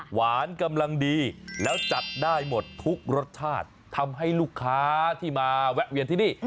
กำลังดีแล้วจัดได้หมดทุกรสชาติทำให้ลูกค้าที่มาแวะเวียนที่นี่